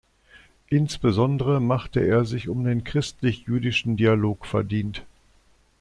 Insbesondere machte er sich um den christlich-jüdischen Dialog verdient.